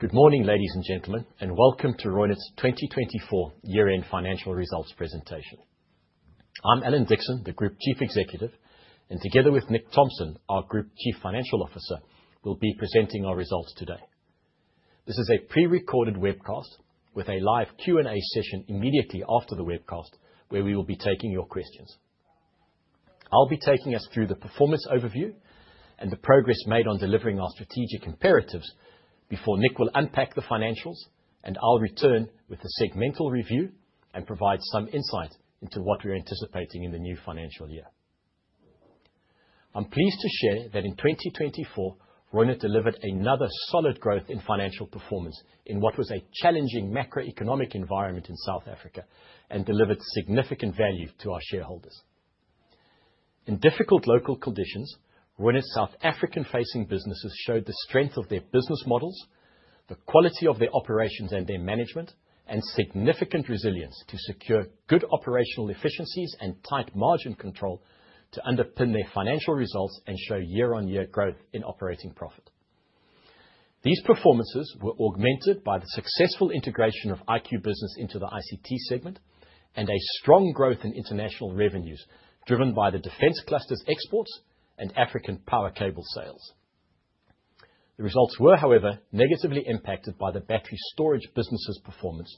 Good morning, ladies and gentlemen, and welcome to Reunert's 2024 Year-End Financial Results Presentation. I'm Alan Dickson, the Group Chief Executive, and together with Nick Thomson, our Group Chief Financial Officer, we'll be presenting our results today. This is a pre-recorded webcast with a live Q&A session immediately after the webcast, where we will be taking your questions. I'll be taking us through the performance overview and the progress made on delivering our strategic imperatives before Nick will unpack the financials, and I'll return with a segmental review and provide some insight into what we're anticipating in the new financial year. I'm pleased to share that in 2024, Reunert delivered another solid growth in financial performance in what was a challenging macroeconomic environment in South Africa and delivered significant value to our shareholders. In difficult local conditions, Reunert's South African-facing businesses showed the strength of their business models, the quality of their operations and their management, and significant resilience to secure good operational efficiencies and tight margin control to underpin their financial results and show year-on-year growth in operating profit. These performances were augmented by the successful integration of IQ Business into the ICT segment and a strong growth in international Defence Cluster's exports and African power cable sales. The results were, however, negatively impacted by the battery storage business's performance,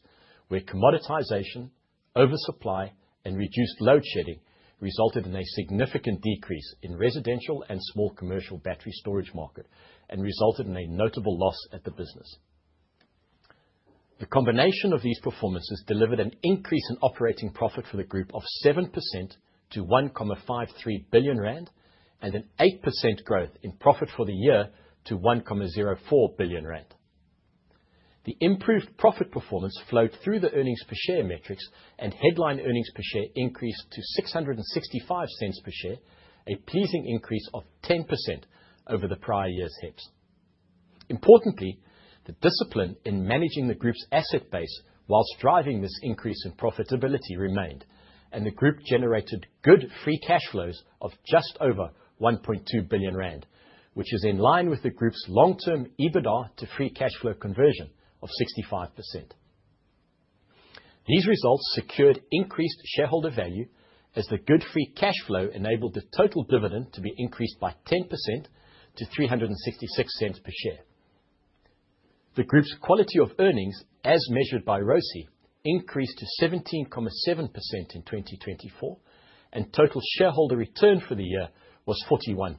where commoditization, oversupply, and reduced load shedding resulted in a significant decrease in residential and small commercial battery storage market and resulted in a notable loss at the business. The combination of these performances delivered an increase in operating profit for the Group of 7% to 1.53 billion rand and an 8% growth in profit for the year to 1.04 billion rand. The improved profit performance flowed through the earnings per share metrics, and headline earnings per share increased to 665 cents per share, a pleasing increase of 10% over the prior year's HEPS. Importantly, the discipline in managing the Group's asset base while driving this increase in profitability remained, and the Group generated good free cash flows of just over 1.2 billion rand, which is in line with the Group's long-term EBITDA to free cash flow conversion of 65%. These results secured increased shareholder value as the good free cash flow enabled the total dividend to be increased by 10% to 366 cents per share. The Group's quality of earnings, as measured by ROCE, increased to 17.7% in 2024, and total shareholder return for the year was 41%.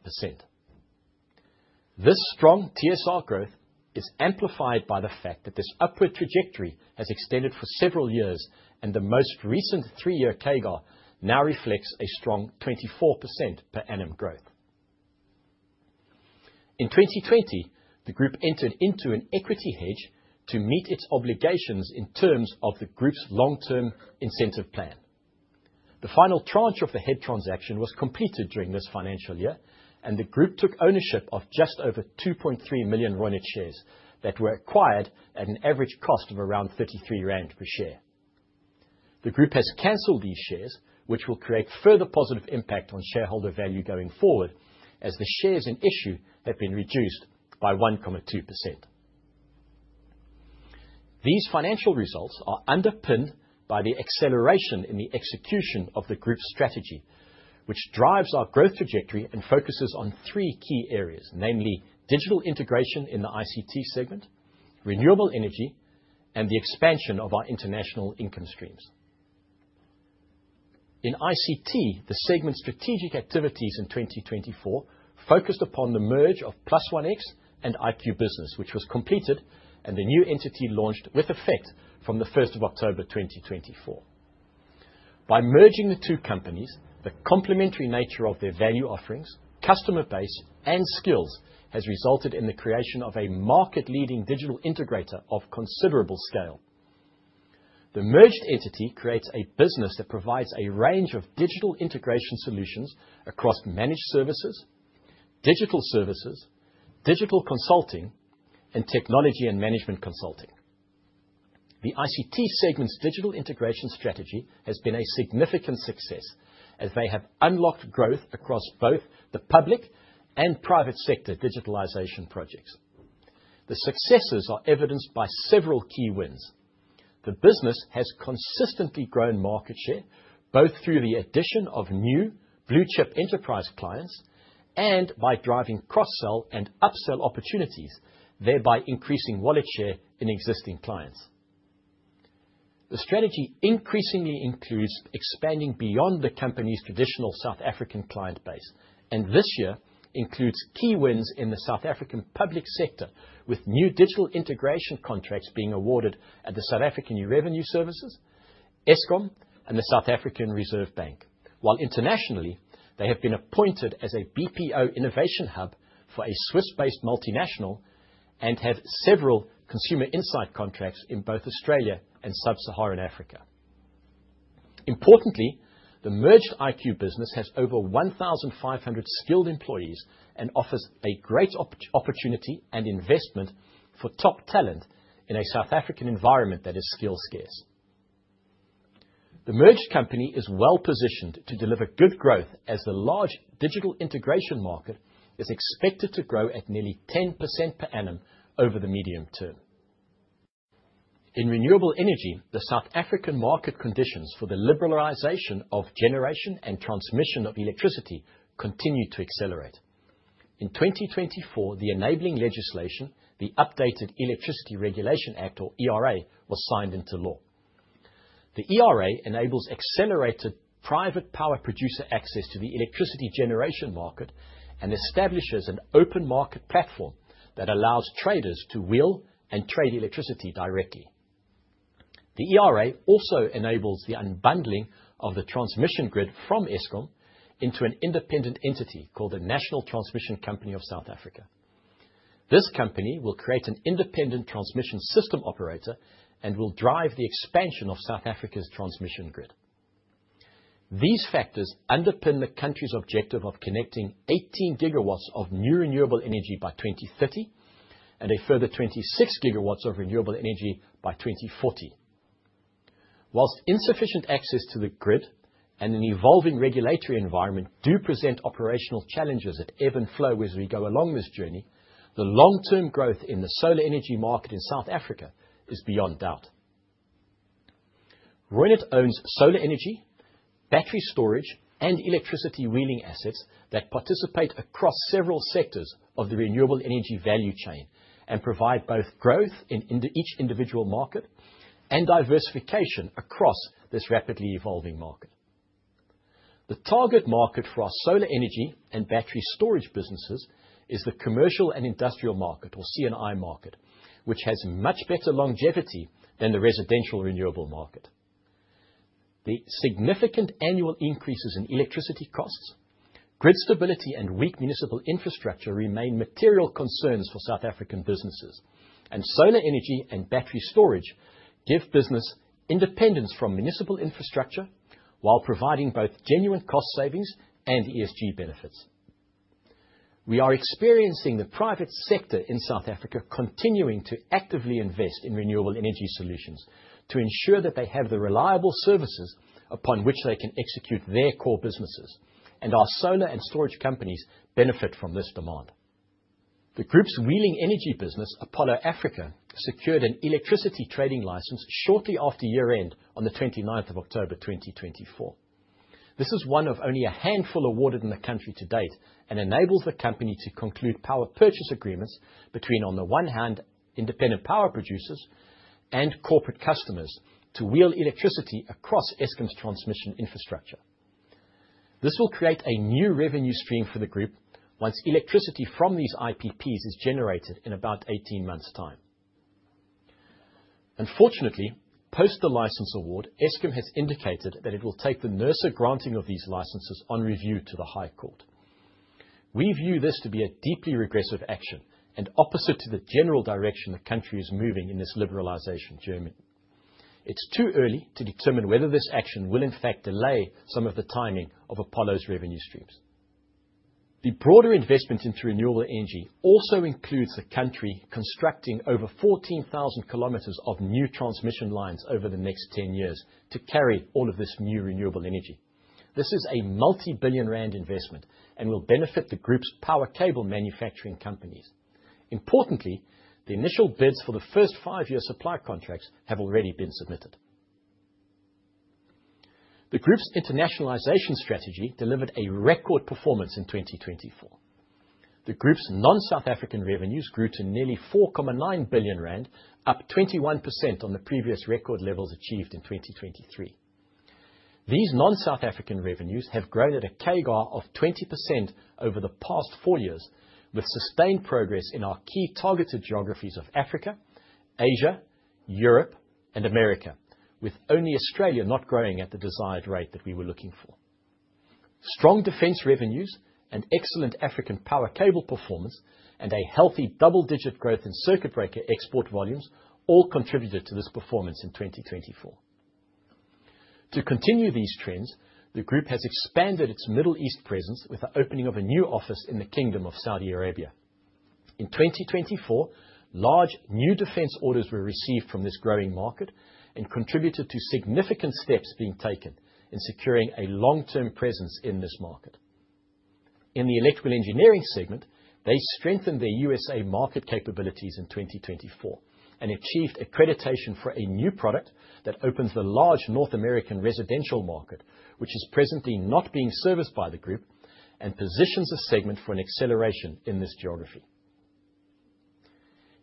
This strong TSR growth is amplified by the fact that this upward trajectory has extended for several years, and the most recent three-year CAGR now reflects a strong 24% per annum growth. In 2020, the Group entered into an equity hedge to meet its obligations in terms of the Group's long-term incentive plan. The final tranche of the hedge transaction was completed during this financial year, and the Group took ownership of just over 2.3 million Reunert shares that were acquired at an average cost of around 33 rand per share. The Group has cancelled these shares, which will create further positive impact on shareholder value going forward, as the shares in issue have been reduced by 1.2%. These financial results are underpinned by the acceleration in the execution of the Group's strategy, which drives our growth trajectory and focuses on three key areas, namely digital integration in the ICT segment, renewable energy, and the expansion of our international income streams. In ICT, the segment's strategic activities in 2024 focused upon the merger of +OneX and IQ Business, which was completed and the new entity launched with effect from the 1st of October 2024. By merging the two companies, the complementary nature of their value offerings, customer base, and skills has resulted in the creation of a market-leading digital integrator of considerable scale. The merged entity creates a business that provides a range of digital integration solutions across managed services, digital services, digital consulting, and technology and management consulting. The ICT segment's digital integration strategy has been a significant success, as they have unlocked growth across both the public and private sector digitalization projects. The successes are evidenced by several key wins. The business has consistently grown market share, both through the addition of new blue-chip enterprise clients and by driving cross-sell and upsell opportunities, thereby increasing wallet share in existing clients. The strategy increasingly includes expanding beyond the company's traditional South African client base, and this year includes key wins in the South African public sector, with new digital integration contracts being awarded at the South African Revenue Service, Eskom, and the South African Reserve Bank. While internationally, they have been appointed as a BPO innovation hub for a Swiss-based multinational and have several consumer insight contracts in both Australia and Sub-Saharan Africa. Importantly, the merged IQ Business has over 1,500 skilled employees and offers a great opportunity and investment for top talent in a South African environment that is skill scarce. The merged company is well positioned to deliver good growth, as the large digital integration market is expected to grow at nearly 10% per annum over the medium term. In renewable energy, the South African market conditions for the liberalisation of generation and transmission of electricity continue to accelerate. In 2024, the enabling legislation, the updated Electricity Regulation Act, or ERA, was signed into law. The ERA enables accelerated private power producer access to the electricity generation market and establishes an open market platform that allows traders to wheel and trade electricity directly. The ERA also enables the unbundling of the transmission grid from Eskom into an independent entity called the National Transmission Company of South Africa. This company will create an independent transmission system operator and will drive the expansion of South Africa's transmission grid. These factors underpin the country's objective of connecting 18 gigawatts of new renewable energy by 2030 and a further 26 gigawatts of renewable energy by 2040. While insufficient access to the grid and an evolving regulatory environment do present operational challenges at ebb and flow as we go along this journey, the long-term growth in the solar energy market in South Africa is beyond doubt. Reunert owns solar energy, battery storage, and electricity wheeling assets that participate across several sectors of the renewable energy value chain and provide both growth in each individual market and diversification across this rapidly evolving market. The target market for our solar energy and battery storage businesses is the commercial and industrial market, or C&I market, which has much better longevity than the residential renewable market. The significant annual increases in electricity costs, grid stability, and weak municipal infrastructure remain material concerns for South African businesses, and solar energy and battery storage give business independence from municipal infrastructure while providing both genuine cost savings and ESG benefits. We are experiencing the private sector in South Africa continuing to actively invest in renewable energy solutions to ensure that they have the reliable services upon which they can execute their core businesses, and our solar and storage companies benefit from this demand. The Group's wheeling energy business, Apollo Africa, secured an electricity trading license shortly after year-end on the 29th of October 2024. This is one of only a handful awarded in the country to date and enables the company to conclude power purchase agreements between, on the one hand, independent power producers and corporate customers to wheel electricity across Eskom's transmission infrastructure. This will create a new revenue stream for the Group once electricity from these IPPs is generated in about 18 months' time. Unfortunately, post the license award, Eskom has indicated that it will take the NERSA granting of these licenses on review to the High Court. We view this to be a deeply regressive action and opposite to the general direction the country is moving in this liberalisation, indeed. It's too early to determine whether this action will, in fact, delay some of the timing of Apollo's revenue streams. The broader investment into renewable energy also includes the country constructing over 14,000 kilometers of new transmission lines over the next 10 years to carry all of this new renewable energy. This is a multi-billion ZAR investment and will benefit the Group's power cable manufacturing companies. Importantly, the initial bids for the first five-year supply contracts have already been submitted. The Group's internationalization strategy delivered a record performance in 2024. The Group's non-South African revenues grew to nearly 4.9 billion rand, up 21% on the previous record levels achieved in 2023. These non-South African revenues have grown at a CAGR of 20% over the past four years, with sustained progress in our key targeted geographies of Africa, Asia, Europe, and America, with only Australia not growing at the desired rate that we were looking for. Strong defence revenues and excellent African power cable performance and a healthy double-digit growth in circuit breaker export volumes all contributed to this performance in 2024. To continue these trends, the Group has expanded its Middle East presence with the opening of a new office in the Kingdom of Saudi Arabia. In 2024, large new Defence orders were received from this growing market and contributed to significant steps being taken in securing a long-term presence in this market. In the Electrical Engineering segment, they strengthened their USA market capabilities in 2024 and achieved accreditation for a new product that opens the large North American residential market, which is presently not being serviced by the Group and positions a segment for an acceleration in this geography.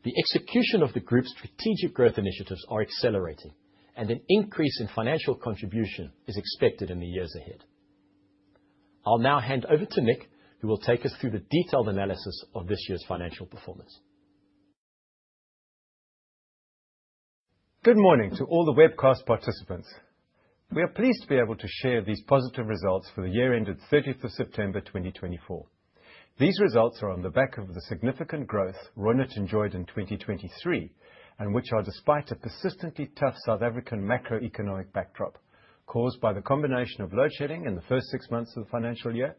The execution of the Group's strategic growth initiatives is accelerating, and an increase in financial contribution is expected in the years ahead. I'll now hand over to Nick, who will take us through the detailed analysis of this year's financial performance. Good morning to all the webcast participants. We are pleased to be able to share these positive results for the year-ended 30th of September 2024. These results are on the back of the significant growth Reunert enjoyed in 2023 and which are, despite a persistently tough South African macroeconomic backdrop caused by the combination of load shedding in the first six months of the financial year,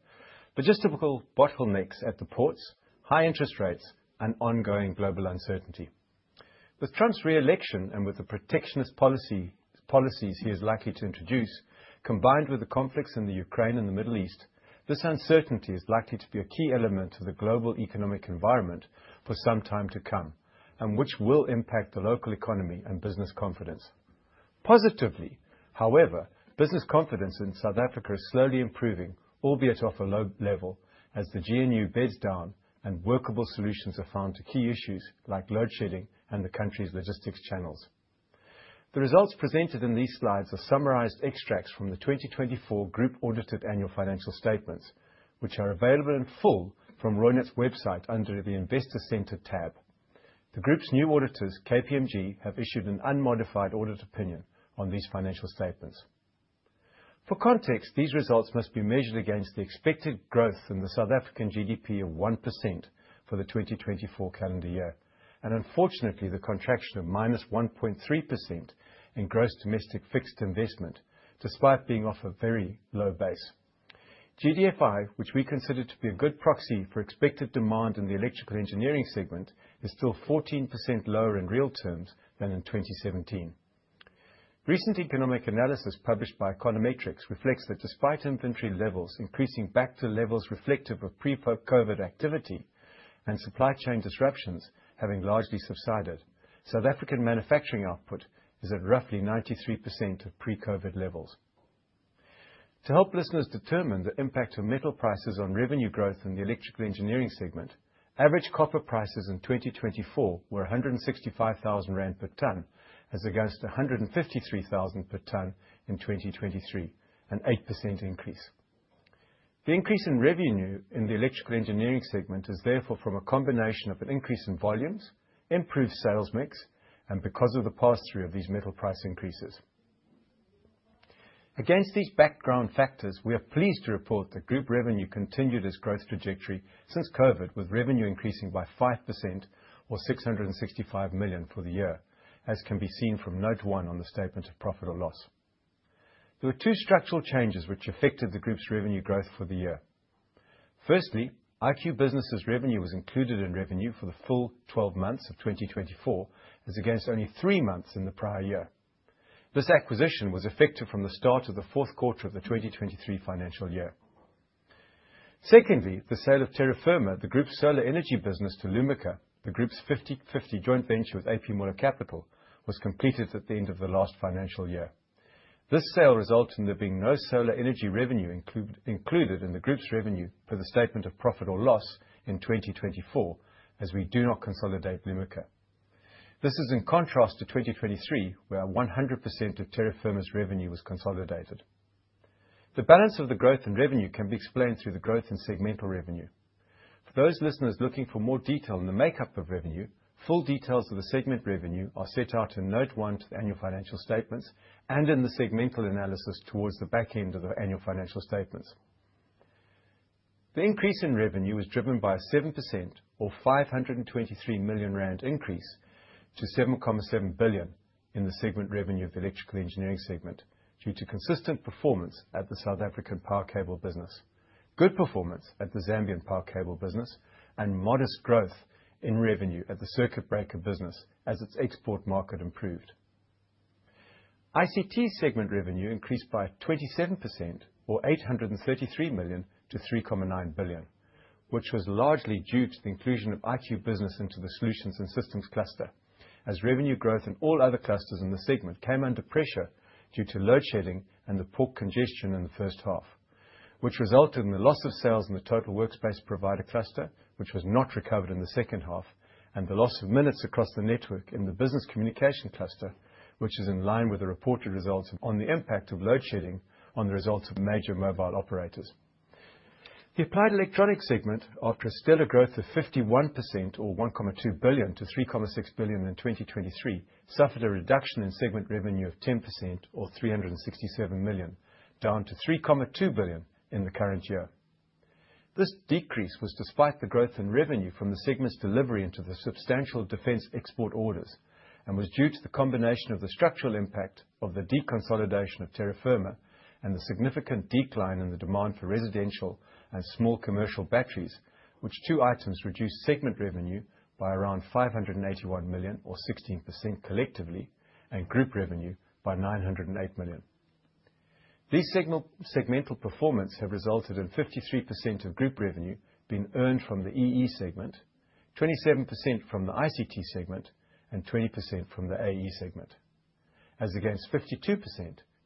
logistical bottlenecks at the ports, high interest rates, and ongoing global uncertainty. With Trump's re-election and with the protectionist policies he is likely to introduce, combined with the conflicts in Ukraine and the Middle East, this uncertainty is likely to be a key element of the global economic environment for some time to come and which will impact the local economy and business confidence. Positively, however, business confidence in South Africa is slowly improving, albeit off a low level, as the GNU beds down and workable solutions are found to key issues like load shedding and the country's logistics channels. The results presented in these slides are summarized extracts from the 2024 group-audited annual financial statements, which are available in full from Reunert's website under the Investor Center tab. The Group's new auditors, KPMG, have issued an unmodified audit opinion on these financial statements. For context, these results must be measured against the expected growth in the South African GDP of 1% for the 2024 calendar year and, unfortunately, the contraction of minus 1.3% in gross domestic fixed investment, despite being off a very low base. GDFI, which we consider to be a good proxy for expected demand in the Electrical Engineering segment, is still 14% lower in real terms than in 2017. Recent economic analysis published by Econometrix reflects that, despite inventory levels increasing back to levels reflective of pre-COVID activity and supply chain disruptions having largely subsided, South African manufacturing output is at roughly 93% of pre-COVID levels. To help listeners determine the impact of metal prices on revenue growth in the Electrical Engineering segment, average copper prices in 2024 were 165,000 rand per tonne as against 153,000 per tonne in 2023, an 8% increase. The increase in revenue in the Electrical Engineering segment is therefore from a combination of an increase in volumes, improved sales mix, and because of the pass-through of these metal price increases. Against these background factors, we are pleased to report that Group revenue continued its growth trajectory since COVID, with revenue increasing by 5%, or 665 million for the year, as can be seen from note one on the statement of profit or loss. There were two structural changes which affected the Group's revenue growth for the year. Firstly, IQ Business's revenue was included in revenue for the full 12 months of 2024 as against only three months in the prior year. This acquisition was effective from the start of the fourth quarter of the 2023 financial year. Secondly, the sale of Terra Firma, the Group's solar energy business, to Lumika, the Group's 50/50 joint venture with A.P. Moller Capital, was completed at the end of the last financial year. This sale resulted in there being no solar energy revenue included in the Group's revenue for the statement of profit or loss in 2024, as we do not consolidate Lumika. This is in contrast to 2023, where 100% of Terra Firma's revenue was consolidated. The balance of the growth in revenue can be explained through the growth in segmental revenue. For those listeners looking for more detail in the makeup of revenue, full details of the segment revenue are set out in note one to the annual financial statements and in the segmental analysis towards the back end of the annual financial statements. The increase in revenue is driven by a 7%, or 523 million rand, increase to 7.7 billion in the segment revenue of the Electrical Engineering segment due to consistent performance at the South African power cable business, good performance at the Zambian power cable business, and modest growth in revenue at the circuit breaker business as its export market improved. ICT segment revenue increased by 27%, or 833 million, to 3.9 billion, which was largely due to the inclusion of IQ Business into the Solutions and Systems cluster, as revenue growth in all other clusters in the segment came under pressure due to load shedding and the port congestion in the first half, which resulted in the loss of sales Total Workspace Provider Cluster, which was not recovered in the second half, and the loss of minutes across the network in the Business Communications Cluster, which is in line with the reported results on the impact of load shedding on the results of major mobile operators. The Applied Electronics segment, after a stellar growth of 51%, or 1.2 billion, to 3.6 billion in 2023, suffered a reduction in segment revenue of 10%, or 367 million, down to 3.2 billion in the current year. This decrease was despite the growth in revenue from the segment's delivery into the substantial defence export orders and was due to the combination of the structural impact of the deconsolidation of Terra Firma and the significant decline in the demand for residential and small commercial batteries, which two items reduced segment revenue by around 581 million, or 16% collectively, and group revenue by 908 million. These segmental performances have resulted in 53% of group revenue being earned from the EE segment, 27% from the ICT segment, and 20% from the AE segment, as against 52%,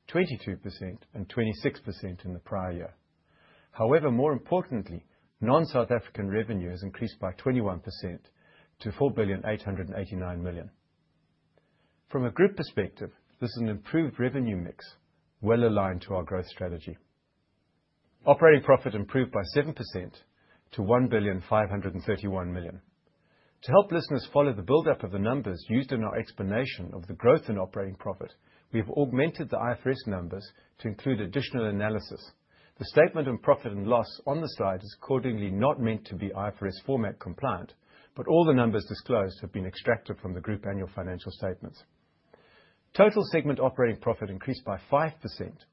22%, and 26% in the prior year. However, more importantly, non-South African revenue has increased by 21% to 4,889 million. From a Group perspective, this is an improved revenue mix well aligned to our growth strategy. Operating profit improved by 7% to 1,531 million. To help listeners follow the build-up of the numbers used in our explanation of the growth in operating profit, we have augmented the IFRS numbers to include additional analysis. The statement of profit and loss on the slide is accordingly not meant to be IFRS format compliant, but all the numbers disclosed have been extracted from the Group annual financial statements. Total segment operating profit increased by 5%,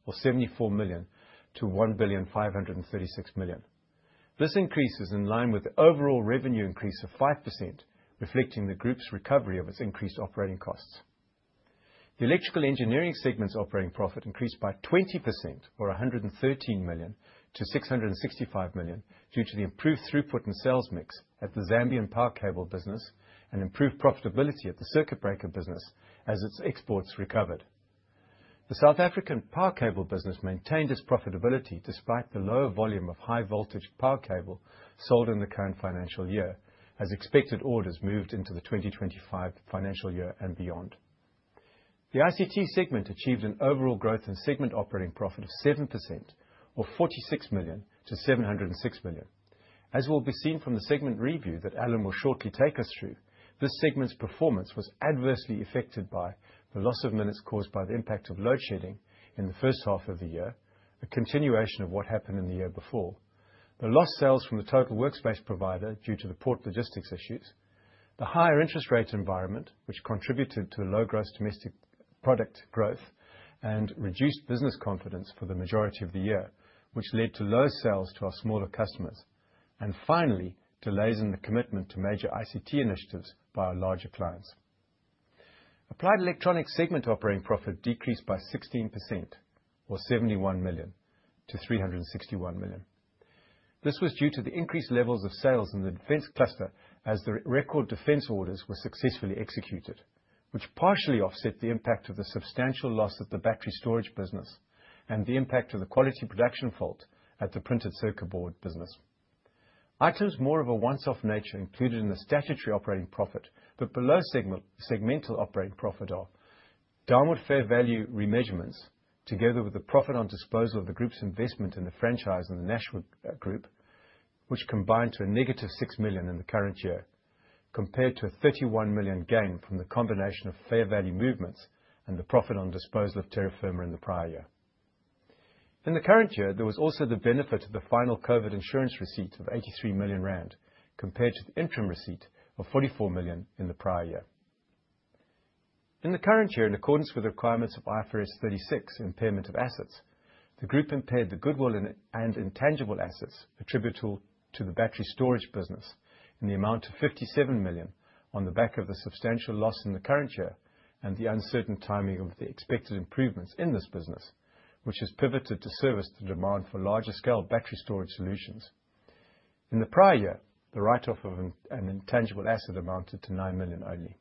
or 74 million, to 1,536 million. This increase is in line with the overall revenue increase of 5%, reflecting the Group's recovery of its increased operating costs. The Electrical Engineering segment's operating profit increased by 20%, or 113 million, to 665 million due to the improved throughput and sales mix at the Zambian power cable business and improved profitability at the circuit breaker business as its exports recovered. The South African power cable business maintained its profitability despite the lower volume of high-voltage power cable sold in the current financial year, as expected orders moved into the 2025 financial year and beyond. The ICT segment achieved an overall growth in segment operating profit of seven%, or 46 million, to 706 million. As will be seen from the segment review that Alan will shortly take us through, this segment's performance was adversely affected by the loss of minutes caused by the impact of load shedding in the first half of the year, a continuation of what happened in the year before, the lost sales from the Total Workspace Provider due to the port logistics issues, the higher interest rate environment, which contributed to low gross domestic product growth and reduced business confidence for the majority of the year, which led to low sales to our smaller customers, and finally, delays in the commitment to major ICT initiatives by our larger clients. Applied electronics segment operating profit decreased by 16%, or 71 million, to 361 million. This was due to the increased levels Defence Cluster as the record Defence orders were successfully executed, which partially offset the impact of the substantial loss of the battery storage business and the impact of the quality production fault at the printed circuit board business. Items more of a once-off nature included in the statutory operating profit, but below segmental operating profit are downward fair value remeasurements together with the profit on disposal of the Group's investment in the franchise and the Nashua Group, which combined to a negative six million in the current year, compared to a 31 million gain from the combination of fair value movements and the profit on disposal of Terra Firma in the prior year. In the current year, there was also the benefit of the final COVID insurance receipt of 83 million rand, compared to the interim receipt of 44 million in the prior year. In the current year, in accordance with the requirements of IFRS 36, impairment of assets, the Group impaired the goodwill and intangible assets attributable to the battery storage business in the amount of 57 million on the back of the substantial loss in the current year and the uncertain timing of the expected improvements in this business, which has pivoted to service the demand for larger scale battery storage solutions. In the prior year, the write-off of an intangible asset amounted to nine million only.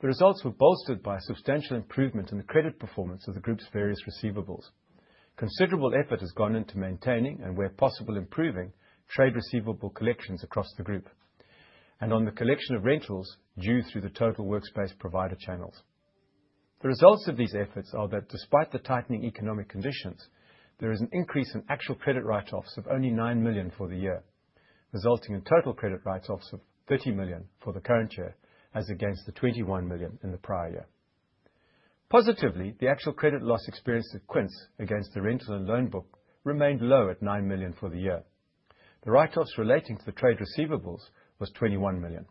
The results were bolstered by a substantial improvement in the credit performance of the Group's various receivables. Considerable effort has gone into maintaining and, where possible, improving trade receivable collections across the Group and on the collection of rentals due through the Total Workspace Provider channels. The results of these efforts are that, despite the tightening economic conditions, there is an increase in actual credit write-offs of only nine million for the year, resulting in total credit write-offs of 30 million for the current year as against the 21 million in the prior year. Positively, the actual credit loss experienced at Quince against the rental and loan book remained low at nine million for the year. The write-offs relating to the trade receivables was 21 million.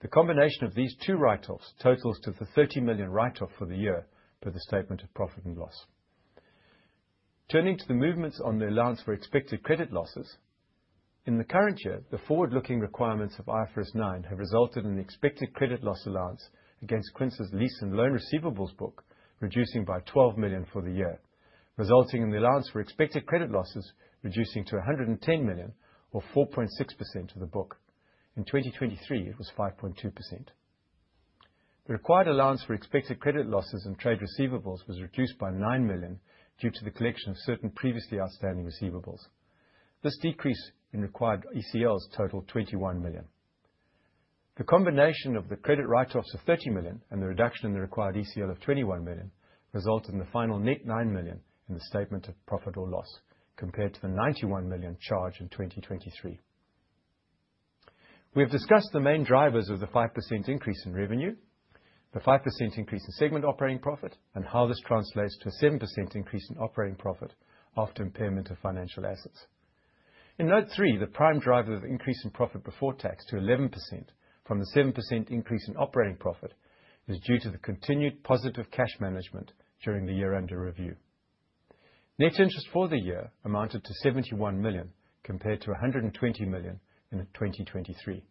The combination of these two write-offs totals to the 30 million write-off for the year per the statement of profit and loss. Turning to the movements on the allowance for expected credit losses, in the current year, the forward-looking requirements of IFRS 9 have resulted in the expected credit loss allowance against Quince's lease and loan receivables book reducing by 12 million for the year, resulting in the allowance for expected credit losses reducing to 110 million, or 4.6% of the book. In 2023, it was 5.2%. The required allowance for expected credit losses and trade receivables was reduced by 9 million due to the collection of certain previously outstanding receivables. This decrease in required ECLs totaled 21 million. The combination of the credit write-offs of 30 million and the reduction in the required ECL of 21 million resulted in the final net 9 million in the statement of profit or loss compared to the 91 million charged in 2023. We have discussed the main drivers of the 5% increase in revenue, the 5% increase in segment operating profit, and how this translates to a 7% increase in operating profit after impairment of financial assets. In note three, the prime driver of increase in profit before tax to 11% from the 7% increase in operating profit is due to the continued positive cash management during the year-end review. Net interest for the year amounted to 71 million compared to 120 million in 2023.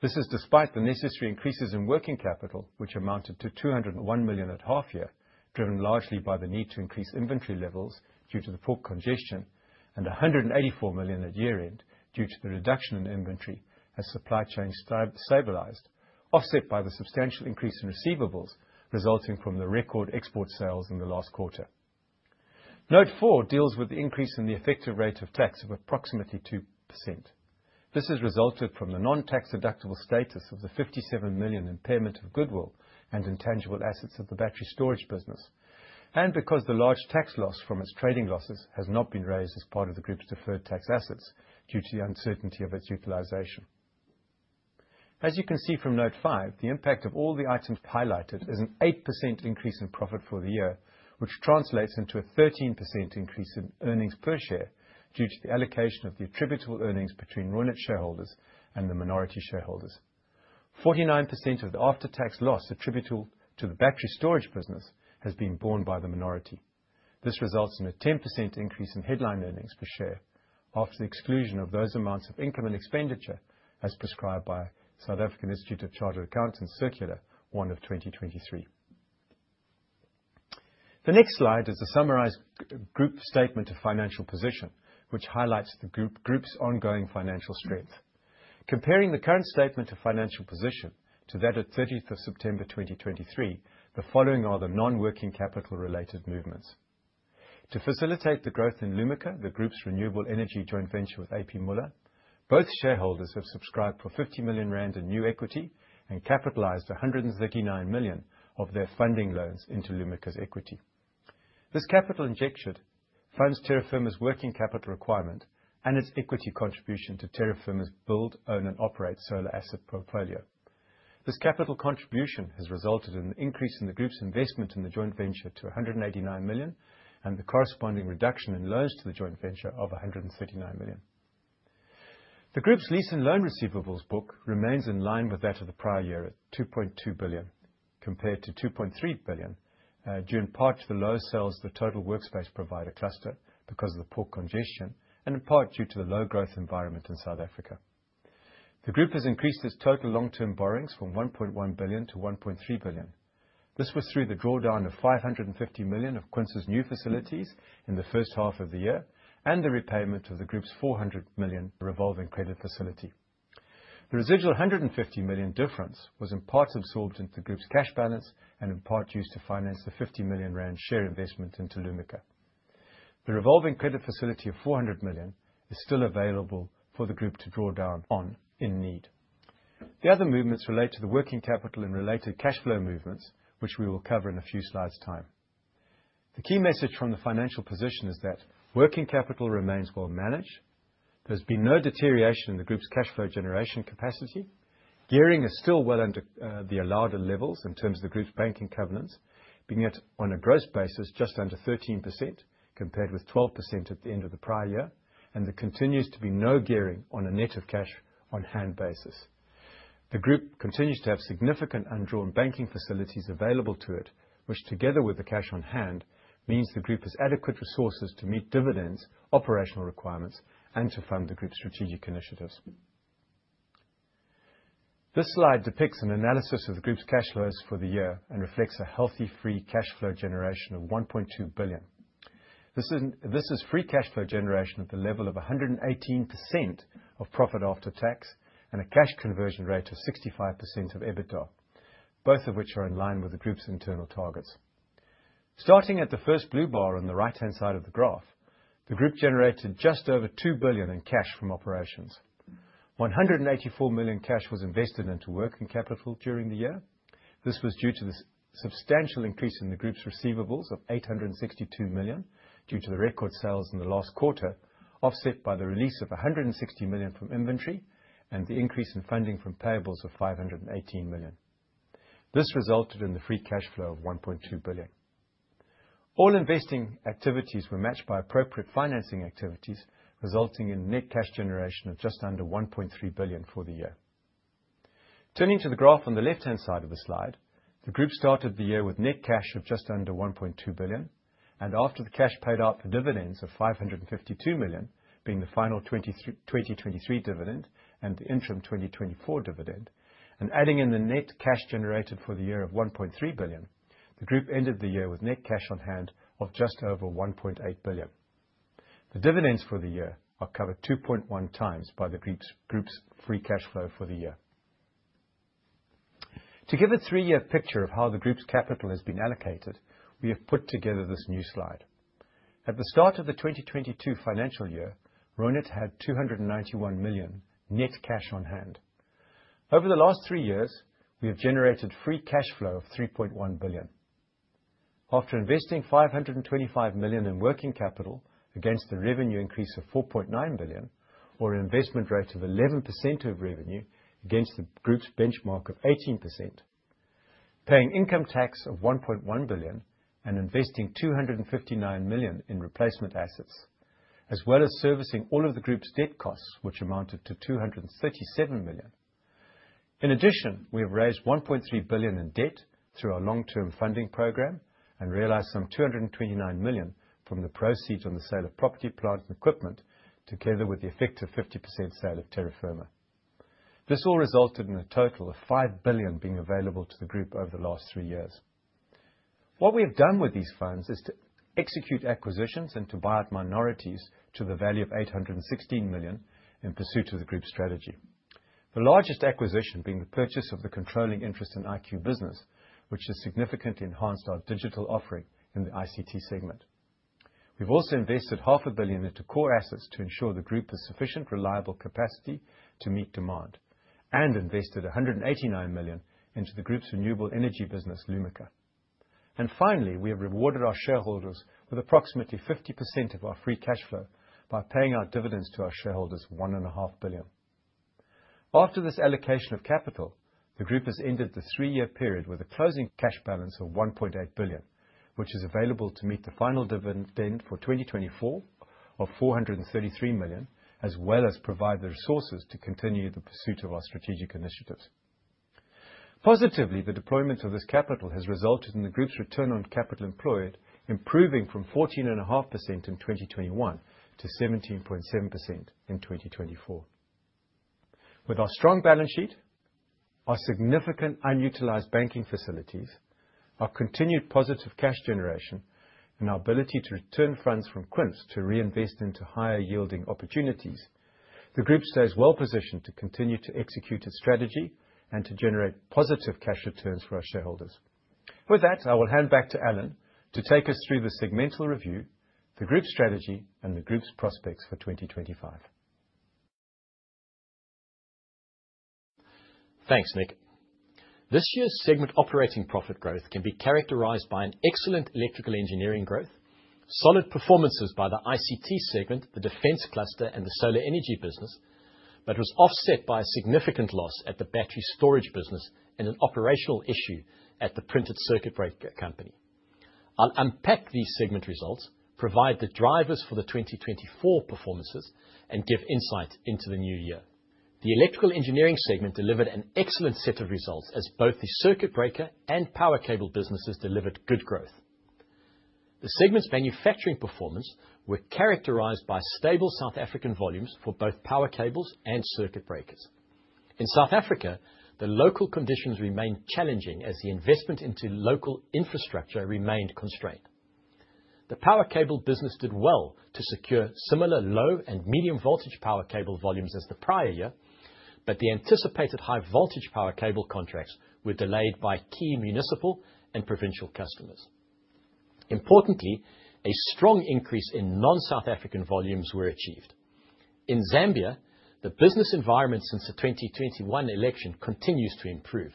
This is despite the necessary increases in working capital, which amounted to 201 million at half year, driven largely by the need to increase inventory levels due to the port congestion, and 184 million at year-end due to the reduction in inventory as supply chains stabilized, offset by the substantial increase in receivables resulting from the record export sales in the last quarter. Note four deals with the increase in the effective rate of tax of approximately 2%. This has resulted from the non-tax deductible status of the 57 million impairment of goodwill and intangible assets of the battery storage business, and because the large tax loss from its trading losses has not been raised as part of the Group's deferred tax assets due to the uncertainty of its utilization. As you can see from note five, the impact of all the items highlighted is an 8% increase in profit for the year, which translates into a 13% increase in earnings per share due to the allocation of the attributable earnings between Reunert shareholders and the minority shareholders. 49% of the after-tax loss attributable to the battery storage business has been borne by the minority. This results in a 10% increase in headline earnings per share after the exclusion of those amounts of income and expenditure as prescribed by South African Institute of Chartered Accountants Circular one of 2023. The next slide is a summarized Group statement of financial position, which highlights the Group's ongoing financial strength. Comparing the current statement of financial position to that of 30th of September 2023, the following are the non-working capital related movements. To facilitate the growth in Lumika, the Group's renewable energy joint venture with A.P. Moller, both shareholders have subscribed for 50 million rand in new equity and capitalized 139 million of their funding loans into Lumika's equity. This capital injection funds Terra Firma's working capital requirement and its equity contribution to Terra Firma's build, own, and operate solar asset portfolio. This capital contribution has resulted in the increase in the Group's investment in the joint venture to 189 million and the corresponding reduction in loans to the joint venture of 139 million. The Group's lease and loan receivables book remains in line with that of the prior year at 2.2 billion, compared to 2.3 billion due in part to the low sales Total Workspace Provider Cluster because of the port congestion and in part due to the low growth environment in South Africa. The Group has increased its total long-term borrowings from 1.1 billion to 1.3 billion. This was through the drawdown of 550 million of Quince's new facilities in the first half of the year and the repayment of the Group's 400 million revolving credit facility. The residual 150 million difference was in part absorbed into the Group's cash balance and in part used to finance the 50 million rand share investment into Lumika. The revolving credit facility of 400 million is still available for the Group to draw down on in need. The other movements relate to the working capital and related cash flow movements, which we will cover in a few slides' time. The key message from the financial position is that working capital remains well managed. There has been no deterioration in the Group's cash flow generation capacity. Gearing is still well under the allowed levels in terms of the Group's banking covenants, being it on a gross basis just under 13% compared with 12% at the end of the prior year, and there continues to be no gearing on a net of cash on hand basis. The Group continues to have significant undrawn banking facilities available to it, which together with the cash on hand means the Group has adequate resources to meet dividends, operational requirements, and to fund the Group's strategic initiatives. This slide depicts an analysis of the Group's cash flows for the year and reflects a healthy free cash flow generation of 1.2 billion. This is free cash flow generation at the level of 118% of profit after tax and a cash conversion rate of 65% of EBITDA, both of which are in line with the Group's internal targets. Starting at the first blue bar on the right-hand side of the graph, the Group generated just over 2 billion in cash from operations. 184 million cash was invested into working capital during the year. This was due to the substantial increase in the Group's receivables of 862 million due to the record sales in the last quarter, offset by the release of 160 million from inventory and the increase in funding from payables of 518 million. This resulted in the free cash flow of 1.2 billion. All investing activities were matched by appropriate financing activities, resulting in net cash generation of just under 1.3 billion for the year. Turning to the graph on the left-hand side of the slide, the Group started the year with net cash of just under 1.2 billion, and after the cash paid out for dividends of 552 million being the final 2023 dividend and the interim 2024 dividend, and adding in the net cash generated for the year of 1.3 billion, the Group ended the year with net cash on hand of just over 1.8 billion. The dividends for the year are covered 2.1 times by the Group's free cash flow for the year. To give a three-year picture of how the Group's capital has been allocated, we have put together this new slide. At the start of the 2022 financial year, Reunert had 291 million net cash on hand. Over the last three years, we have generated free cash flow of 3.1 billion. After investing 525 million in working capital against the revenue increase of 4.9 billion, or an investment rate of 11% of revenue against the Group's benchmark of 18%, paying income tax of 1.1 billion and investing 259 million in replacement assets, as well as servicing all of the Group's debt costs, which amounted to 237 million. In addition, we have raised 1.3 billion in debt through our long-term funding program and realized some 229 million from the proceeds on the sale of property, plant, and equipment together with the effective 50% sale of Terra Firma. This all resulted in a total of 5 billion being available to the Group over the last three years. What we have done with these funds is to execute acquisitions and to buy out minorities to the value of 816 million in pursuit of the Group's strategy. The largest acquisition being the purchase of the controlling interest in IQ Business, which has significantly enhanced our digital offering in the ICT segment. We've also invested 500 million into core assets to ensure the Group has sufficient reliable capacity to meet demand and invested 189 million into the Group's renewable energy business, Lumika. Finally, we have rewarded our shareholders with approximately 50% of our free cash flow by paying out dividends to our shareholders 1.5 billion. After this allocation of capital, the Group has ended the three-year period with a closing cash balance of 1.8 billion, which is available to meet the final dividend for 2024 of 433 million, as well as provide the resources to continue the pursuit of our strategic initiatives. Positively, the deployment of this capital has resulted in the Group's return on capital employed improving from 14.5% in 2021 to 17.7% in 2024. With our strong balance sheet, our significant unutilized banking facilities, our continued positive cash generation, and our ability to return funds from Quince to reinvest into higher yielding opportunities, the Group stays well positioned to continue to execute its strategy and to generate positive cash returns for our shareholders. With that, I will hand back to Alan to take us through the segmental review, the Group strategy, and the Group's prospects for 2025. Thanks, Nick. This year's segment operating profit growth can be characterized by an excellent Electrical Engineering growth, solid performances by Defence Cluster, and the solar energy business, but was offset by a significant loss at the battery storage business and an operational issue at the printed circuit board company. I'll unpack these segment results, provide the drivers for the 2024 performances, and give insight into the new year. The Electrical Engineering segment delivered an excellent set of results as both the circuit breaker and power cable businesses delivered good growth. The segment's manufacturing performance was characterized by stable South African volumes for both power cables and circuit breakers. In South Africa, the local conditions remained challenging as the investment into local infrastructure remained constrained. The power cable business did well to secure similar low and medium voltage power cable volumes as the prior year, but the anticipated high voltage power cable contracts were delayed by key municipal and provincial customers. Importantly, a strong increase in non-South African volumes was achieved. In Zambia, the business environment since the 2021 election continues to improve.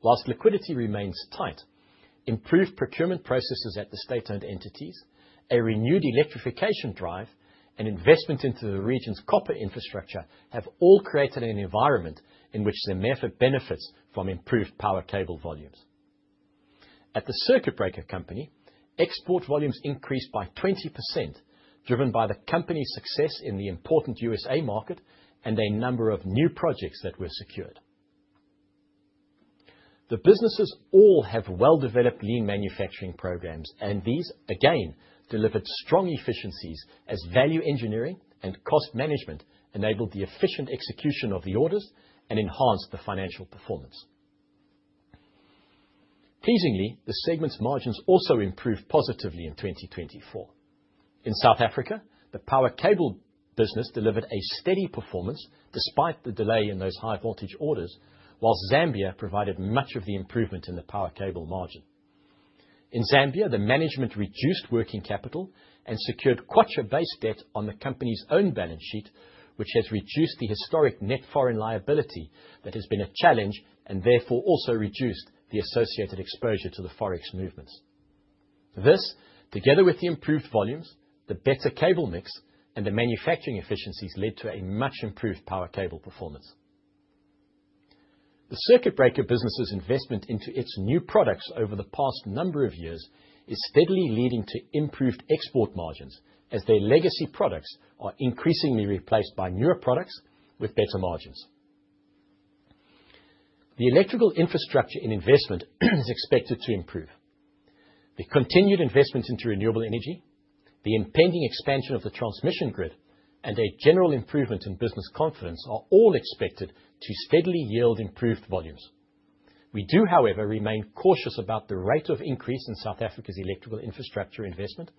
While liquidity remains tight, improved procurement processes at the state-owned entities, a renewed electrification drive, and investment into the region's copper infrastructure have all created an environment in which Zamefa benefits from improved power cable volumes. At the circuit breaker company, export volumes increased by 20%, driven by the company's success in the important USA market and a number of new projects that were secured. The businesses all have well-developed lean manufacturing programs, and these, again, delivered strong efficiencies as value engineering and cost management enabled the efficient execution of the orders and enhanced the financial performance. Pleasingly, the segment's margins also improved positively in 2024. In South Africa, the power cable business delivered a steady performance despite the delay in those high-voltage orders, while Zambia provided much of the improvement in the power cable margin. In Zambia, the management reduced working capital and secured kwacha-based debt on the company's own balance sheet, which has reduced the historic net foreign liability that has been a challenge and therefore also reduced the associated exposure to the forex movements. This, together with the improved volumes, the better cable mix, and the manufacturing efficiencies, led to a much improved power cable performance. The circuit breaker business's investment into its new products over the past number of years is steadily leading to improved export margins as their legacy products are increasingly replaced by newer products with better margins. The electrical infrastructure and investment is expected to improve. The continued investment into renewable energy, the impending expansion of the transmission grid, and a general improvement in business confidence are all expected to steadily yield improved volumes. We do, however, remain cautious about the rate of increase in South Africa's electrical infrastructure investment,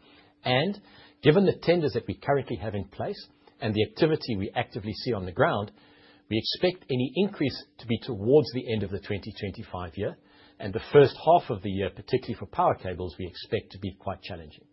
and given the tenders that we currently have in place and the activity we actively see on the ground, we expect any increase to be towards the end of the 2025 year, and the first half of the year, particularly for power cables, we expect to be quite challenging.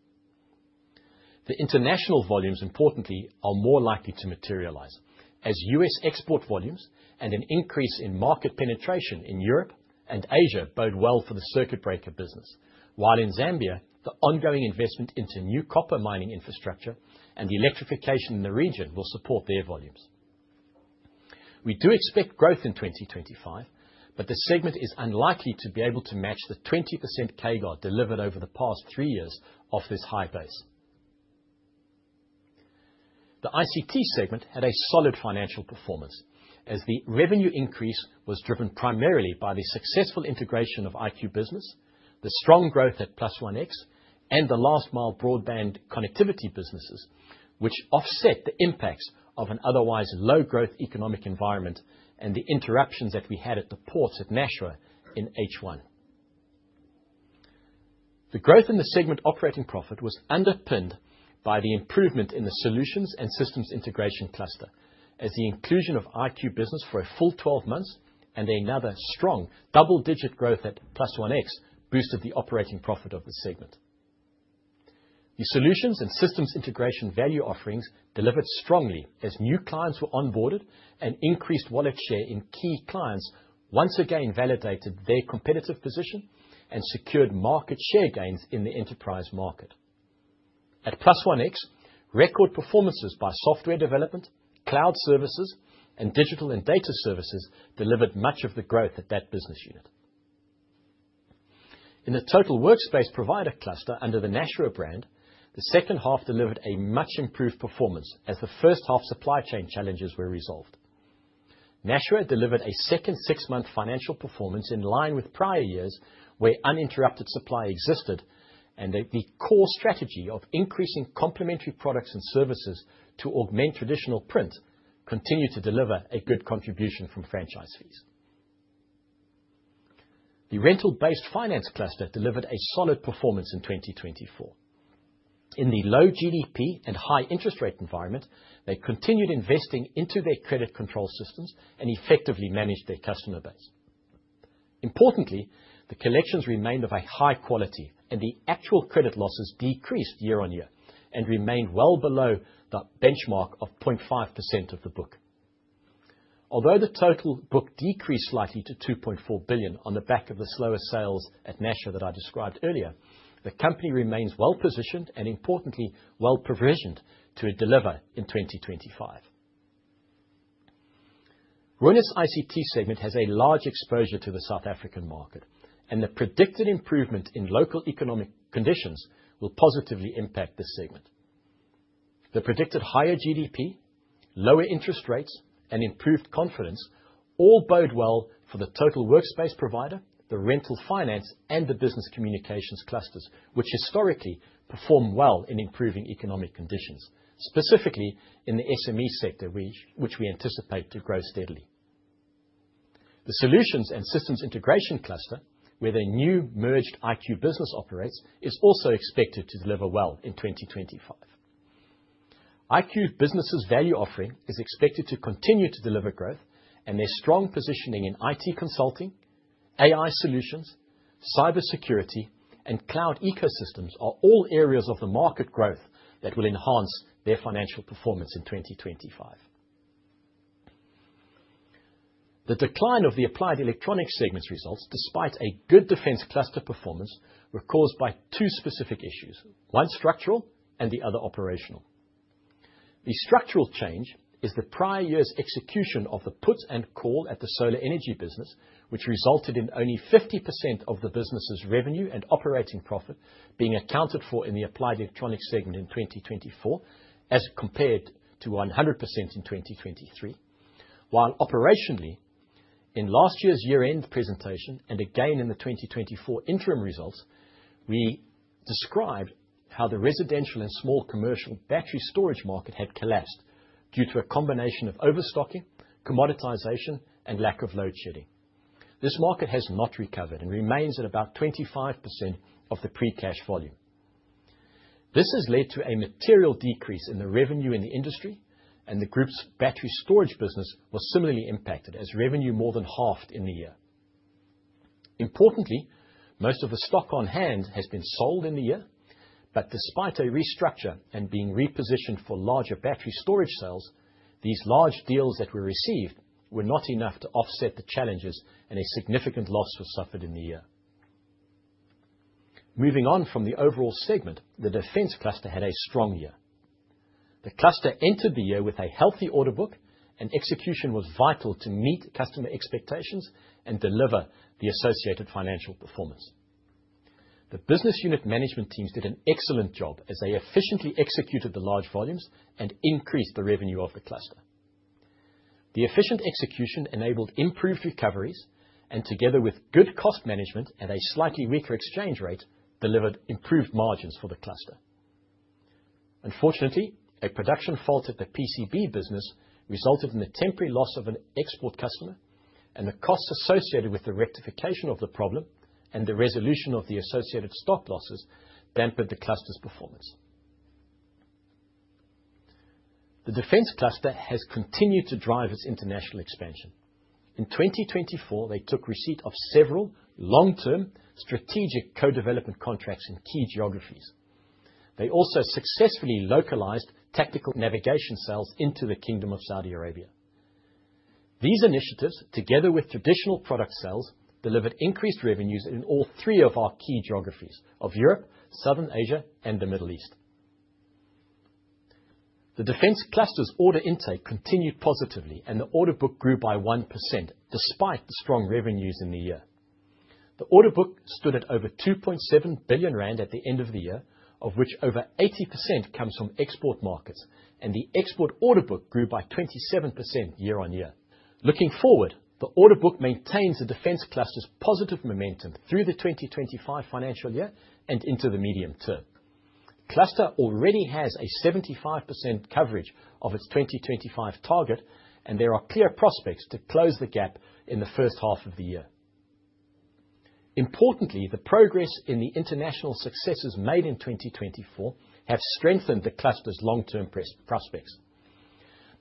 The international volumes, importantly, are more likely to materialize as U.S. export volumes and an increase in market penetration in Europe and Asia bode well for the circuit breaker business, while in Zambia, the ongoing investment into new copper mining infrastructure and electrification in the region will support their volumes. We do expect growth in 2025, but the segment is unlikely to be able to match the 20% CAGR delivered over the pass-through years off this high base. The ICT segment had a solid financial performance as the revenue increase was driven primarily by the successful integration of IQ Business, the strong growth at +OneX, and the last-mile broadband connectivity businesses, which offset the impacts of an otherwise low-growth economic environment and the interruptions that we had at the ports at Nashua in H1. Solutions and Systems Integration 00:37:54 proper nouns Current Solutions and Systems Integration Cluster Suggested fix Solutions and Systems Integration Cluster 00:16:02 proper nouns Current Total Workspace Provider Cluster Suggested fix Total Workspace Provider Cluster 00:16:02 proper nouns Current Business Communications Cluster Suggested fix Business Communications Cluster 00:36:54 proper nouns Current Rental-based Finance Cluster Suggested fix Rental-based Finance Cluster 00:19:52 proper nouns Current Defense Cluster Suggested fix Defence Cluster 00:42:38 proper nouns Current Renewable Energy Cluster Suggested fix Renewable Energy Cluster value offerings delivered strongly as new clients were onboarded, and increased wallet share in key clients once again validated their competitive position and secured market share gains in the enterprise market. At +OneX, record performances by software development, cloud services, and digital and data services delivered much of the growth at that business unit. Total Workspace Provider Cluster under the Nashua brand, the second half delivered a much improved performance as the first half supply chain challenges were resolved. Nashua delivered a second six-month financial performance in line with prior years where uninterrupted supply existed, and the core strategy of increasing complementary products and services to augment traditional print continued to deliver a good contribution from franchise fees. Rental-based Finance Cluster delivered a solid performance in 2024. In the low GDP and high interest rate environment, they continued investing into their credit control systems and effectively managed their customer base. Importantly, the collections remained of a high quality, and the actual credit losses decreased year on year and remained well below the benchmark of 0.5% of the book. Although the total book decreased slightly to 2.4 billion on the back of the slower sales at Nashua that I described earlier, the company remains well positioned and, importantly, well provisioned to deliver in 2025. Reunert's ICT segment has a large exposure to the South African market, and the predicted improvement in local economic conditions will positively impact this segment. IQ Business's value offering is expected to continue to deliver growth, and their strong positioning in IT consulting, AI solutions, cybersecurity, and cloud ecosystems are all areas of the market growth that will enhance their financial performance in 2025. The decline of the Applied Electronics segment's Defence Cluster performance, was caused by two specific issues, one structural and the other operational. The structural change is the prior year's execution of the put and call at the solar energy business, which resulted in only 50% of the business's revenue and operating profit being accounted for in the Applied Electronics segment in 2024 as compared to 100% in 2023. While operationally, in last year's year-end presentation and again in the 2024 interim results, we described how the residential and small commercial battery storage market had collapsed due to a combination of overstocking, commoditization, and lack of load shedding. This market has not recovered and remains at about 25% of the pre-crash volume. This has led to a material decrease in the revenue in the industry, and the group's battery storage business was similarly impacted as revenue more than halved in the year. Importantly, most of the stock on hand has been sold in the year, but despite a restructure and being repositioned for larger battery storage sales, these large deals that were received were not enough to offset the challenges and a significant loss was suffered in the year. The Defence Cluster had a strong year. The cluster entered the year with a healthy order book, and execution was vital to meet customer expectations and deliver the associated financial performance. The business unit management teams did an excellent job as they efficiently executed the large volumes and increased the revenue of the cluster. The efficient execution enabled improved recoveries, and together with good cost management at a slightly weaker exchange rate, delivered improved margins for the cluster. Unfortunately, a production fault at the PCB business resulted in the temporary loss of an export customer, and the costs associated with the rectification of the problem and the resolution of the associated stock losses dampened Defence Cluster has continued to drive its international expansion. In 2024, they took receipt of several long-term strategic co-development contracts in key geographies. They also successfully localized tactical navigation sales into the Kingdom of Saudi Arabia. These initiatives, together with traditional product sales, delivered increased revenues in all three of our key geographies of Europe, Southern Asia, and Defence Cluster's order intake continued positively, and the order book grew by 1% despite the strong revenues in the year. The order book stood at over 2.7 billion rand at the end of the year, of which over 80% comes from export markets, and the export order book grew by 27% year on year. Looking forward, the Defence Cluster's positive momentum through the 2025 financial year and into the medium term. The cluster already has a 75% coverage of its 2025 target, and there are clear prospects to close the gap in the first half of the year. Importantly, the progress in the international successes made in 2024 has strengthened the cluster's long-term prospects.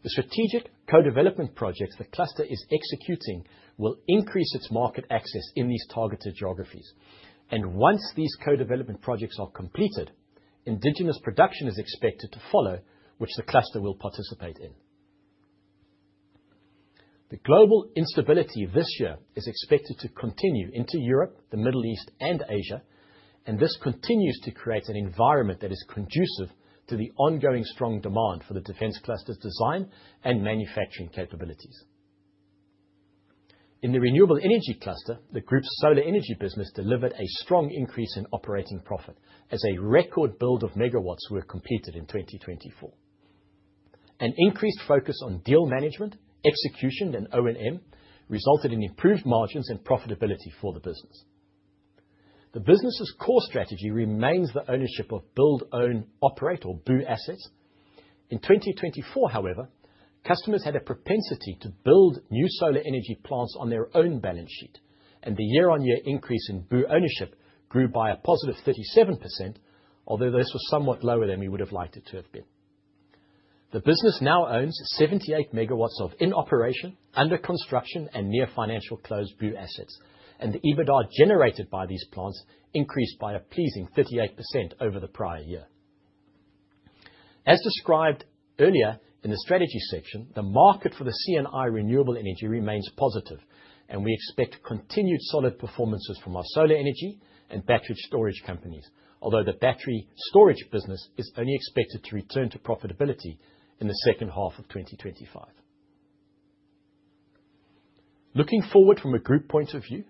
The strategic co-development projects the cluster is executing will increase its market access in these targeted geographies, and once these co-development projects are completed, indigenous production is expected to follow, which the cluster will participate in. The global instability this year is expected to continue into Europe, the Middle East, and Asia, and this continues to create an environment that is conducive to the ongoing Defence Cluster's design and manufacturing capabilities. In the Renewable Energy Cluster, the group's solar energy business delivered a strong increase in operating profit as a record build of megawatts was completed in 2024. An increased focus on deal management, execution, and O&M resulted in improved margins and profitability for the business. The business's core strategy remains the ownership of build, own, operate, or BOO assets. In 2024, however, customers had a propensity to build new solar energy plants on their own balance sheet, and the year-on-year increase in BOO ownership grew by a positive 37%, although this was somewhat lower than we would have liked it to have been. The business now owns 78 megawatts of in operation, under construction, and near-financial close BOO assets, and the EBITDA generated by these plants increased by a pleasing 38% over the prior year. As described earlier in the strategy section, the market for the C&I renewable energy remains positive, and we expect continued solid performances from our solar energy and battery storage companies, although the battery storage business is only expected to return to profitability in the second half of 2025. Looking forward from a group point of view,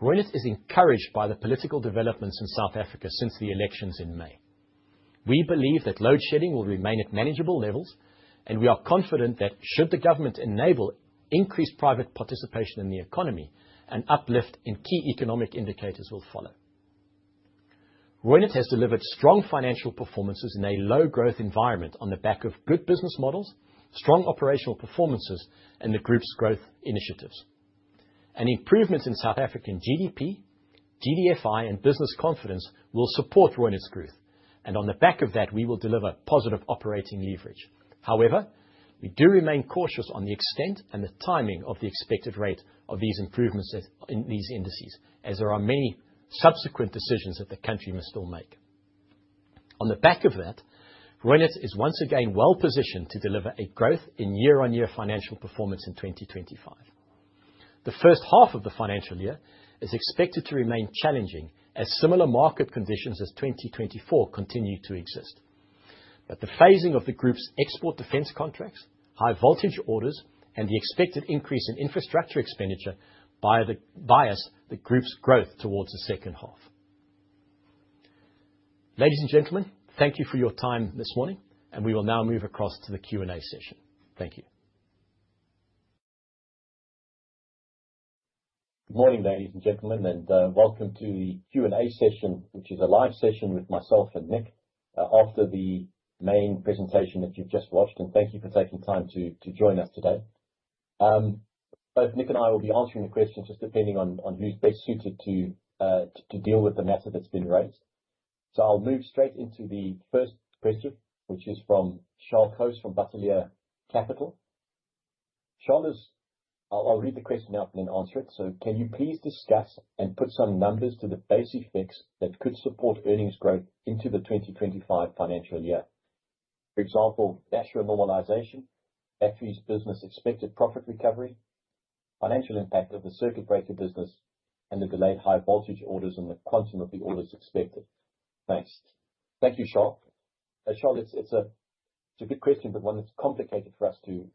Reunert is encouraged by the political developments in South Africa since the elections in May. We believe that load shedding will remain at manageable levels, and we are confident that should the government enable increased private participation in the economy, an uplift in key economic indicators will follow. Reunert has delivered strong financial performances in a low-growth environment on the back of good business models, strong operational performances, and the group's growth initiatives. Improvements in South African GDP, GDFI, and business confidence will support Reunert's growth, and on the back of that, we will deliver positive operating leverage. However, we do remain cautious on the extent and the timing of the expected rate of these improvements in these indices, as there are many subsequent decisions that the country must still make. On the back of that, Reunert is once again well positioned to deliver a growth in year-on-year financial performance in 2025. The first half of the financial year is expected to remain challenging as similar market conditions as 2024 continue to exist, but the phasing of the group's export Defence contracts, high-voltage orders, and the expected increase in infrastructure expenditure bias the group's growth towards the second half. Ladies and gentlemen, thank you for your time this morning, and we will now move across to the Q&A session. Thank you. Good morning, ladies and gentlemen, and welcome to the Q&A session, which is a live session with myself and Nick after the main presentation that you've just watched, and thank you for taking time to join us today. Both Nick and I will be answering the questions just depending on who's best suited to deal with the matter that's been raised. So I'll move straight into the first question, which is from Charl Gous from Bateleur Capital.Charl Charl, I'll read the question out and then answer it. So can you please discuss and put some numbers to the base effects that could support earnings growth into the 2025 financial year? For example, natural normalization, batteries business expected profit recovery, financial impact of the circuit breaker business, and the delayed high-voltage orders and the quantum of the orders expected. Thanks. Thank you, Charl. Charl, it's a good question, but one that's complicated for us to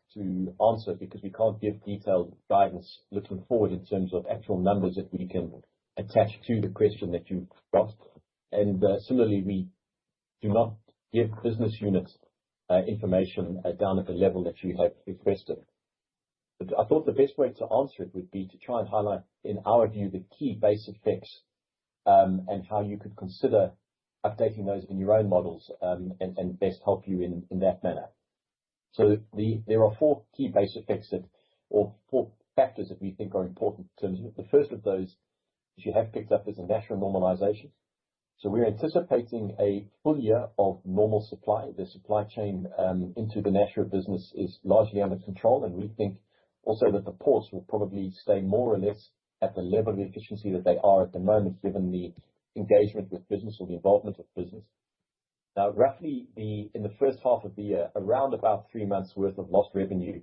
answer because we can't give detailed guidance looking forward in terms of actual numbers that we can attach to the question that you've got. And similarly, we do not give business units information down at the level that you have requested. I thought the best way to answer it would be to try and highlight, in our view, the key base effects and how you could consider updating those in your own models and best help you in that manner. So there are four key base effects or four factors that we think are important in terms of it. The first of those is you have picked up as a natural normalization. So we're anticipating a full year of normal supply. The supply chain into the Nashua business is largely under control, and we think also that the ports will probably stay more or less at the level of efficiency that they are at the moment, given the engagement with business or the involvement of business. Now, roughly in the first half of the year, around about three months' worth of lost revenue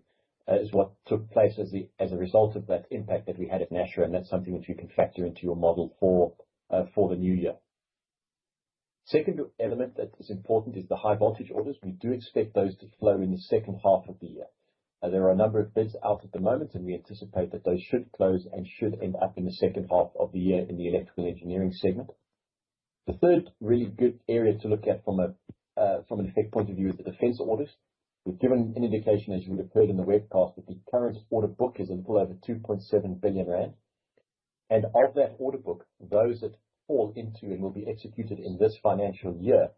is what took place as a result of that impact that we had at Nashua, and that's something which you can factor into your model for the new year. The second element that is important is the high-voltage orders. We do expect those to flow in the second half of the year. There are a number of bids out at the moment, and we anticipate that those should close and should end up in the second half of the year in the Electrical Engineering segment. The third really good area to look at from an effect point of view is the Defence orders. We've given an indication, as you would have heard in the webcast, that the current order book is a little over 2.7 billion rand. And of that order book, those that fall into and will be executed in this financial year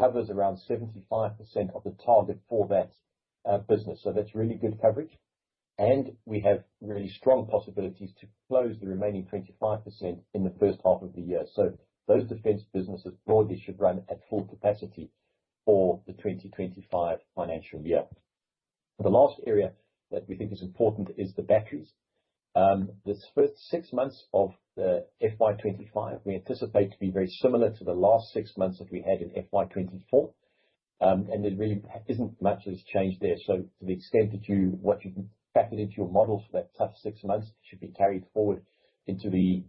covers around 75% of the target for that business. So that's really good coverage, and we have really strong possibilities to close the remaining 25% in the first half of the year. So those Defence businesses broadly should run at full capacity for the 2025 financial year. The last area that we think is important is the batteries. This first six months of the FY 25, we anticipate to be very similar to the last six months that we had in FY 24, and there really isn't much that has changed there. To the extent that you've factored into your model for that tough six months should be carried forward into the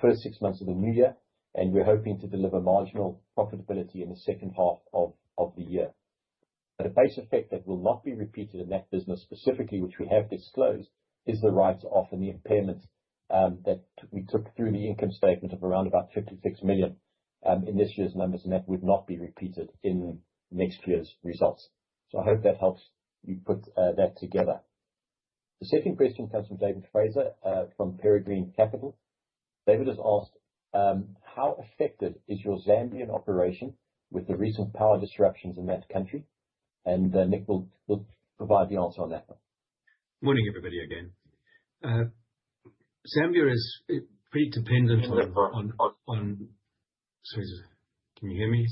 first six months of the new year, and we're hoping to deliver marginal profitability in the second half of the year. But a base effect that will not be repeated in that business specifically, which we have disclosed, is the write-off of the impairment that we took through the income statement of around about 56 million in this year's numbers, and that would not be repeated in next year's results. So I hope that helps you put that together. The second question comes from David Fraser from Peregrine Capital. David has asked, how affected is your Zambian operation with the recent power disruptions in that country? And Nick will provide the answer on that one. Good morning, everybody again. Zambia is pretty dependent on. Sorry, can you hear me?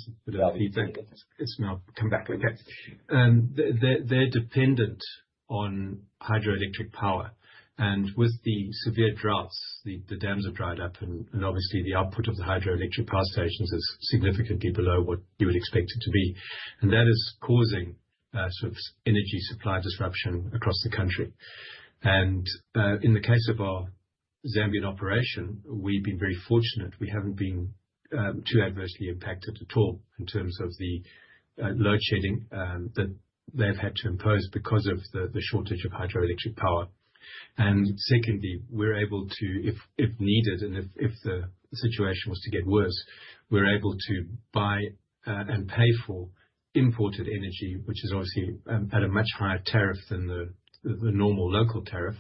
It's now come back. Okay. They're dependent on hydroelectric power, and with the severe droughts, the dams have dried up, and obviously the output of the hydroelectric power stations is significantly below what you would expect it to be, and that is causing sort of energy supply disruption across the country, and in the case of our Zambian operation, we've been very fortunate. We haven't been too adversely impacted at all in terms of the load shedding that they've had to impose because of the shortage of hydroelectric power, and secondly, we're able to, if needed and if the situation was to get worse, we're able to buy and pay for imported energy, which is obviously at a much higher tariff than the normal local tariff,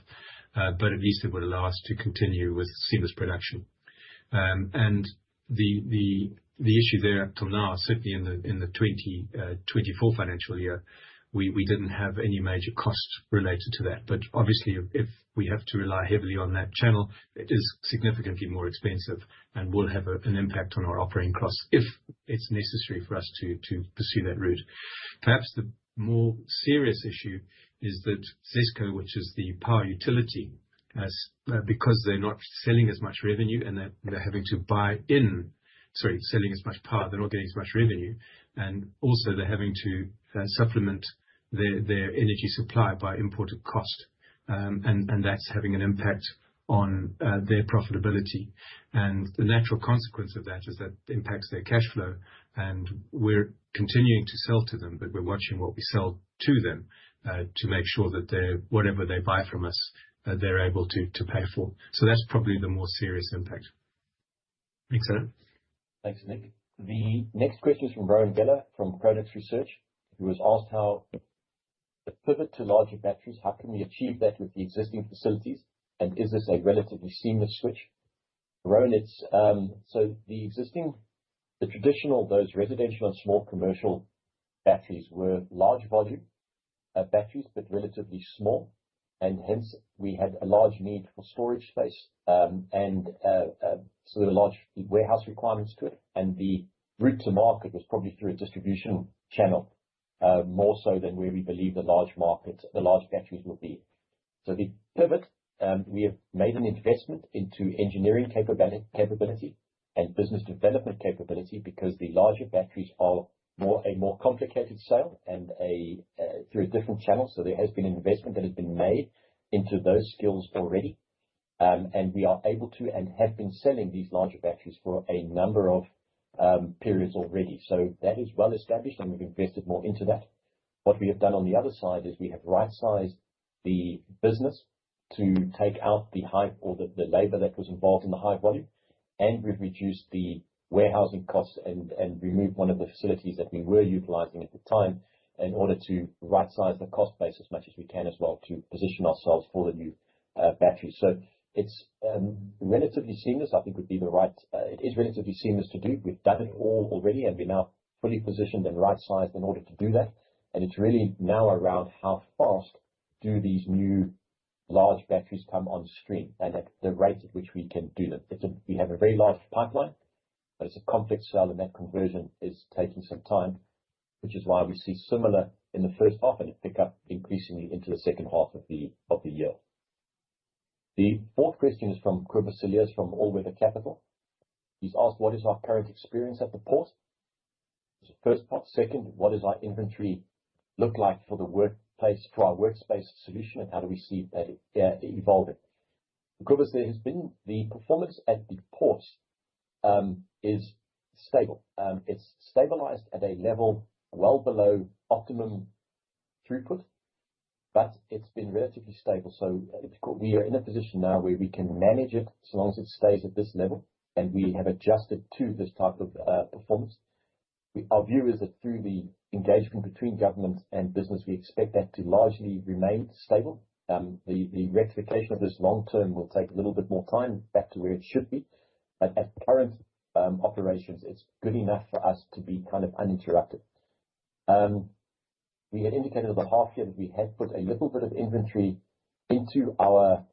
but at least it would allow us to continue with seamless production. The issue there up till now, certainly in the 2024 financial year, we didn't have any major costs related to that. But obviously, if we have to rely heavily on that channel, it is significantly more expensive and will have an impact on our operating costs if it's necessary for us to pursue that route. Perhaps the more serious issue is that ZESCO, which is the power utility, because they're not selling as much revenue and they're having to buy in, sorry, selling as much power, they're not getting as much revenue, and also they're having to supplement their energy supply by imported cost, and that's having an impact on their profitability. The natural consequence of that is that it impacts their cash flow, and we're continuing to sell to them, but we're watching what we sell to them to make sure that whatever they buy from us, they're able to pay for. So that's probably the more serious impact. Thanks, Alan. Thanks, Nick. The next question is from Rowan Goeller from Chronux Research. He was asked how the pivot to larger batteries, how can we achieve that with the existing facilities, and is this a relatively seamless switch? Rowan, so the existing, the traditional, those residential and small commercial batteries were large volume batteries, but relatively small, and hence we had a large need for storage space, and so there were large warehouse requirements to it, and the route to market was probably through a distribution channel more so than where we believe the large market, the large batteries will be. So the pivot, we have made an investment into engineering capability and business development capability because the larger batteries are a more complicated sale and through a different channel. So there has been an investment that has been made into those skills already, and we are able to and have been selling these larger batteries for a number of periods already. So that is well established, and we've invested more into that. What we have done on the other side is we have right-sized the business to take out the hire or the labor that was involved in the high volume, and we've reduced the warehousing costs and removed one of the facilities that we were utilizing at the time in order to right-size the cost base as much as we can as well to position ourselves for the new batteries. So it's relatively seamless, it is relatively seamless to do. We've done it all already, and we're now fully positioned and right-sized in order to do that. And it's really now around how fast do these new large batteries come on stream and at the rate at which we can do them. We have a very large pipeline, but it's a complex sale, and that conversion is taking some time, which is why we see similar in the first half and it picked up increasingly into the second half of the year. The fourth question is from Kobus Cilliers from All Weather Capital. He's asked, what is our current experience at the port? It's a first part. Second, what does our inventory look like for the workplace, for our workspace solution, and how do we see that evolving? Kobus, there has been the performance at the ports is stable. It's stabilized at a level well below optimum throughput, but it's been relatively stable. So we are in a position now where we can manage it as long as it stays at this level, and we have adjusted to this type of performance. Our view is that through the engagement between government and business, we expect that to largely remain stable. The rectification of this long term will take a little bit more time back to where it should be, but at current operations, it's good enough for us to be kind of uninterrupted. We had indicated over half year that we had put a little bit of inventory into our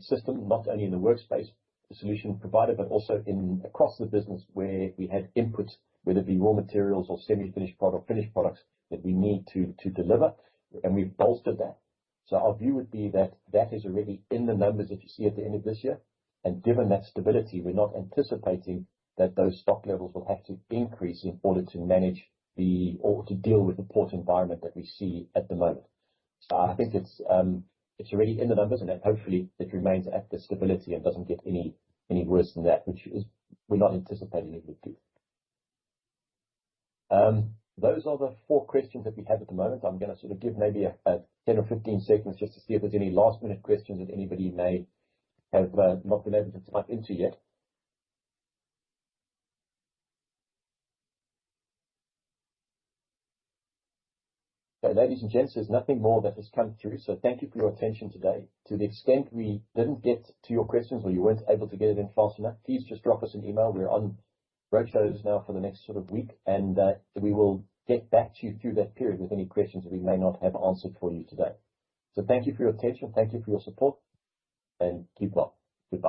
system, not only in the workspace solution provider, but also across the business where we had input, whether it be raw materials or semi-finished products that we need to deliver, and we've bolstered that. So our view would be that that is already in the numbers that you see at the end of this year. And given that stability, we're not anticipating that those stock levels will have to increase in order to manage, or to deal with the port environment that we see at the moment. So I think it's already in the numbers, and hopefully it remains at the stability and doesn't get any worse than that, which we're not anticipating it would be. Those are the four questions that we have at the moment. I'm going to sort of give maybe 10 or 15 seconds just to see if there's any last minute questions that anybody may have not been able to type into yet. So ladies and gents, there's nothing more that has come through. So thank you for your attention today. To the extent we didn't get to your questions or you weren't able to get it in fast enough, please just drop us an email. We're on roadshows now for the next sort of week, and we will get back to you through that period with any questions that we may not have answered for you today. So thank you for your attention. Thank you for your support, and keep well. Goodbye.